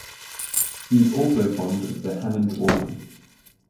He is also fond of the Hammond Organ.